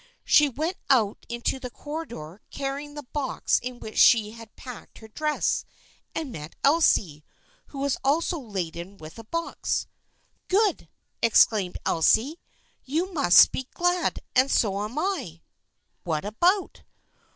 She went out into the corridor, carrying the box in which she had packed her dress, and met Elsie, who was also laden with a box. " Good !" exclaimed Elsie. " You must be glad, and so am I." " What about?"